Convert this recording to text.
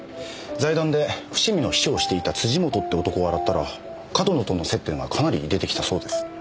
財団で伏見の秘書をしていた辻本って男を洗ったら上遠野との接点がかなり出てきたそうです。